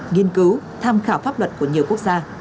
nghiên cứu tham khảo pháp luật của nhiều quốc gia